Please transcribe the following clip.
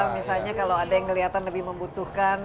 misalnya kalau ada yang kelihatan lebih membutuhkan